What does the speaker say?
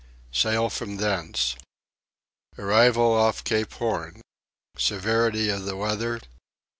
Sail from thence. Arrival off Cape Horn. Severity of the Weather.